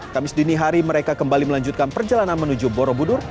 kamis dini hari mereka kembali melanjutkan perjalanan menuju borobudur